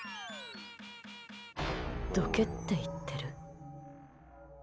どけって言ってる？